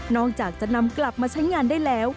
อกจากจะนำกลับมาใช้งานได้แล้ว